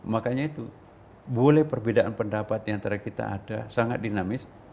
makanya itu boleh perbedaan pendapat diantara kita ada sangat dinamis